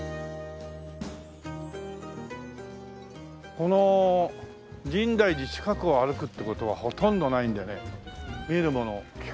この深大寺近くを歩くって事はほとんどないんでね見るもの聞く